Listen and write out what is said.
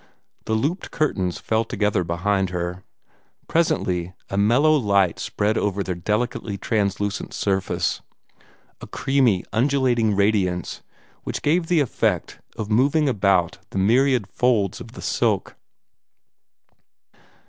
The looped curtains fell together behind her. Presently a mellow light spread over their delicately translucent surface a creamy, undulating radiance which gave the effect of moving about among the myriad folds of the silk.